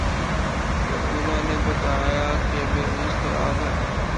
تو انہوں نے بتایا کہ بزنس خراب ہے۔